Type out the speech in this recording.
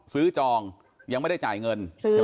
จองยังไม่ได้จ่ายเงินใช่ไหม